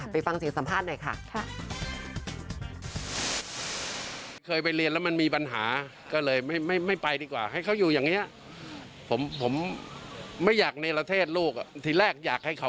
ไปฟังเสียงสัมภาษณ์หน่อยค่ะ